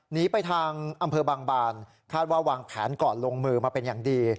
หนีไปทางอำเภอบางบานคาดว่าวางแผนก่อนลงมือมาเป็นอย่างดี